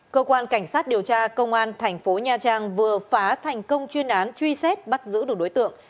cơ quan cảnh sát điều tra công an thành phố nha trang vừa phá thành công chuyên án truy xét bắt giữ được đối tượng